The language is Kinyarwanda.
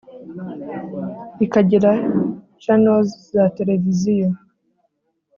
ikagira channels za televiziyo